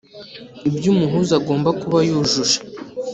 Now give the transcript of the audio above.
ibyo umuhuza agomba kuba yujuje